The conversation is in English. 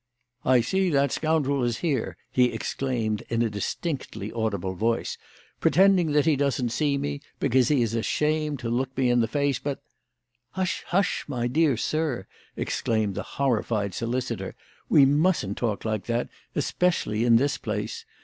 "I see that scoundrel is here!" he exclaimed in a distinctly audible voice, "pretending that he doesn't see me, because he is ashamed to look me in the face, but " "Hush! hush! my dear sir," exclaimed the horrified solicitor; "we mustn't talk like that, especially in this place.